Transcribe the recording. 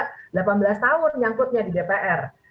delapan belas tahun nyangkutnya di dpr